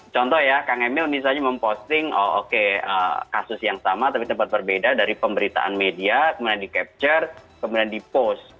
contoh ya kang emil misalnya memposting kasus yang sama tapi tempat berbeda dari pemberitaan media kemudian di capture kemudian di post